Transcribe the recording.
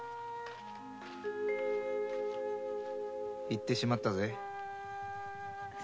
行ってしまったぜ。